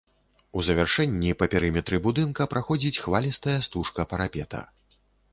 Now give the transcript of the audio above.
У завяршэнні па перыметры будынка праходзіць хвалістая стужка парапета.